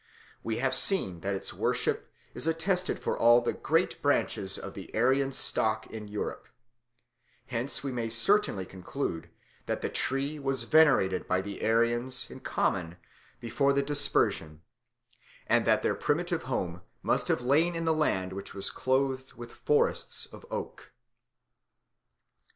We have seen that its worship is attested for all the great branches of the Aryan stock in Europe; hence we may certainly conclude that the tree was venerated by the Aryans in common before the dispersion, and that their primitive home must have lain in a land which was clothed with forests of oak.